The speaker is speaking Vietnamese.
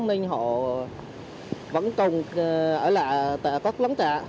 nên họ vẫn còn ở lại tại các lấn trạ